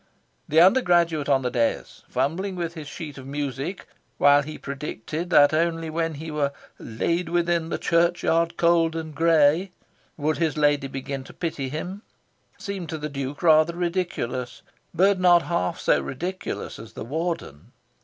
The undergraduate on the dais, fumbling with his sheet of music while he predicted that only when he were "laid within the church yard cold and grey" would his lady begin to pity him, seemed to the Duke rather ridiculous; but not half so ridiculous as the Warden.